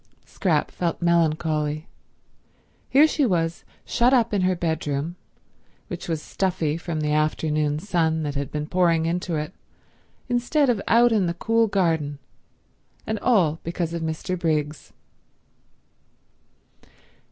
Scrap felt melancholy. Here she was shut up in her bedroom, which was stuffy from the afternoon sun that had been pouring into it, instead of out in the cool garden, and all because of Mr. Briggs.